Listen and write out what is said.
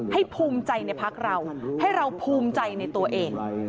ภูมิใจในพักเราให้เราภูมิใจในตัวเอง